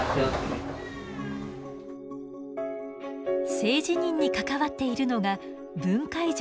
性自認に関わっているのが分界条